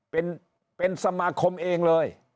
เป็นสมาคมเองเลย